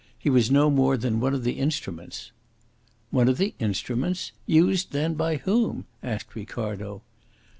He was no more than one of the instruments." "One of the instruments? Used, then, by whom?" asked Ricardo.